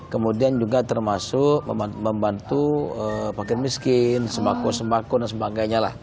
kemudian juga termasuk membantu paket miskin sembako sembako dan sebagainya lah